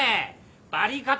バリカタ